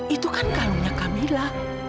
itu kan kalungnya kamila